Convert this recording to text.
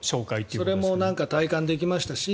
それも体感できましたし